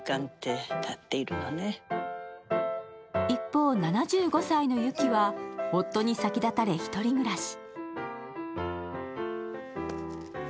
一方、７５歳の雪は夫に先立たれ、１人暮らし。